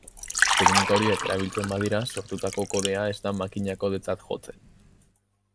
Teknika horiek erabiltzen badira, sortutako kodea ez da makina-kodetzat jotzen.